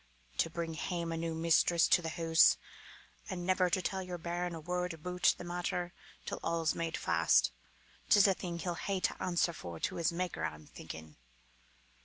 "To bring hame a new mistress to the hoose and never to tell your bairn a word aboot the matter till all's made fast it's a thing he'll hae to answer for to his Maker, I'm thinking.